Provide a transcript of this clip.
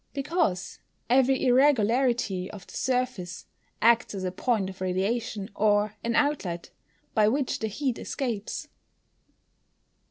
_ Because every irregularity of the surface acts as a point of radiation, or an outlet by which the heat escapes.